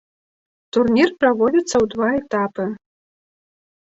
Турнір праводзіцца ў два этапы.